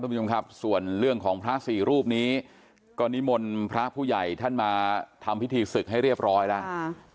คุณผู้ชมครับส่วนเรื่องของพระสี่รูปนี้ก็นิมนต์พระผู้ใหญ่ท่านมาทำพิธีศึกให้เรียบร้อยแล้ว